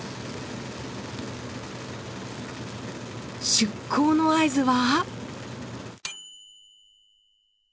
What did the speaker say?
出港の合図は？